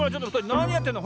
なにやってんの？